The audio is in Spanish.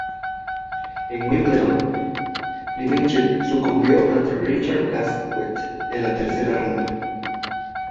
En Wimbledon, Dimitrov sucumbió ante Richard Gasquet en la tercera ronda.